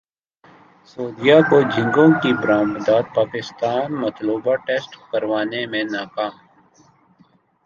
سعودیہ کو جھینگوں کی برامد پاکستان مطلوبہ ٹیسٹ کروانے میں ناکام